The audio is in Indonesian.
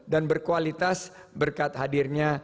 dan berkualitas berkat hadirnya